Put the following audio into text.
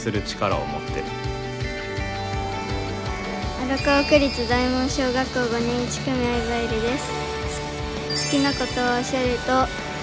荒川区立大門小学校５年１組相葉えるです。